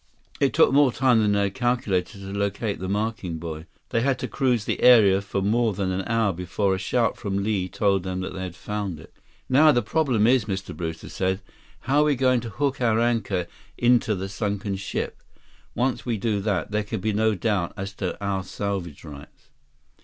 163 It took more time than they had calculated to locate the marking buoy. They had to cruise the area for more than an hour before a shout from Li told them they had found it. "Now the problem is," Mr. Brewster said, "how are we going to hook our anchor into the sunken ship? Once we do that, there can be no doubt as to our salvage rights."